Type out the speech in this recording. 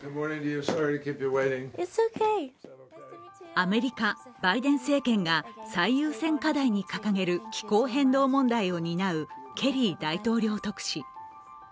アメリカ・バイデン政権が最優先課題に掲げる気候変動問題を担うケリー大統領特使。